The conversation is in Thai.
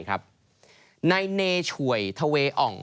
นายเนช่วยทเวอ่อง